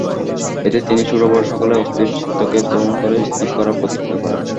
এতে তিনি ছোট-বড় সকলের অস্থির চিত্তকে দমন করে স্থির করার প্রতিজ্ঞা করেন।